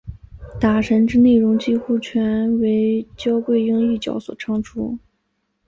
打神之内容几乎全为焦桂英一角所唱出。